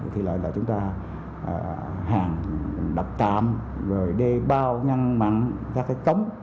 thí lợi là chúng ta hàng đập tạm rồi đề bao ngăn mặn các cái cống